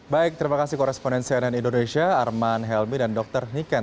baik terima kasih koresponen cnn indonesia arman helmi dan dr niken